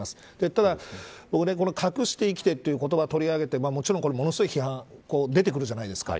ただ僕、隠して生きてという言葉を取り上げてもちろん、ものすごい批判出てくるじゃないですか。